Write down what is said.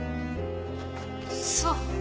そう。